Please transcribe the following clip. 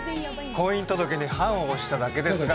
「婚姻届に判を捺しただけですが」